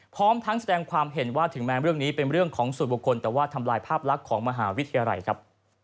พร้อมทั้งแสดงความเห็นว่าถึงแม้เรื่องนี้เป็นเรื่องของส่วนบุคคลแต่ว่าทำลายภาพลักษณ์ของมหาวิทยาลัยครับ